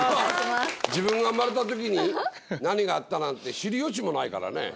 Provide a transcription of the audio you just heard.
自分が生まれた時に何があったなんて知る余地もないからね。